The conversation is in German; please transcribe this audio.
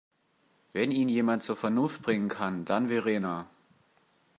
Wenn ihn jemand zur Vernunft bringen kann, dann Verena.